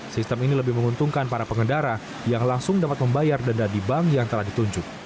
sistem ini lebih menguntungkan para pengendara yang langsung dapat membayar denda di bank yang telah ditunjuk